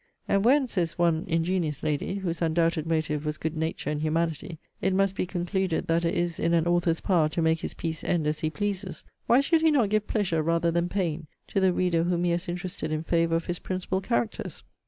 And when, says one ingenious lady, whose undoubted motive was good nature and humanity, it must be concluded that it is in an author's power to make his piece end as he pleases, why should he not give pleasure rather than pain to the reader whom he has interested in favour of his principal characters?